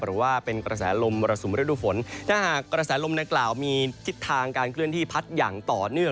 หรือว่าเป็นกระแสลมมรสุมฤดูฝนถ้าหากกระแสลมดังกล่าวมีทิศทางการเคลื่อนที่พัดอย่างต่อเนื่อง